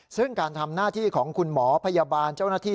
ซึ่งการทำหน้าที่ของคุณหมอพยาบาลเจ้าหน้าที่